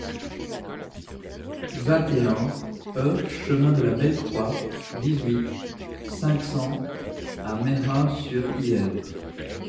vingt et un E chemin de la Belle Croix, dix-huit, cinq cents à Mehun-sur-Yèvre